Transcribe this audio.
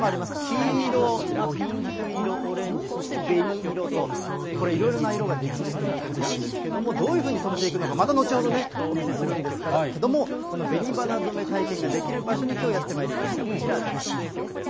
黄色、ピンク色、オレンジ、そして紅色と、これ、いろいろな色ができるということなんですけれども、どういうふうに染めていくのか、また後ほどね、お見せするんですけれども、このべに花染め体験ができる場所にきょうやってまいりました、こちらです。